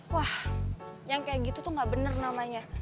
wah yang kayak gitu tuh gak bener namanya